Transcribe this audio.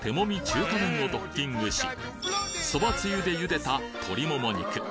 中華麺をドッキングしそばつゆで茹でた鶏もも肉